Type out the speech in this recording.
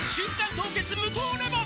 凍結無糖レモン」